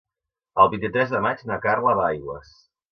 El vint-i-tres de maig na Carla va a Aigües.